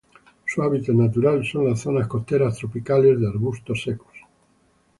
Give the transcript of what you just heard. Su hábitat natural son las zonas costeras tropicales de arbustos secos.